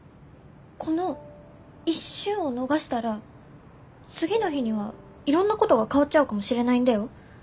この一瞬を逃したら次の日にはいろんなことが変わっちゃうかもしれないんだよ。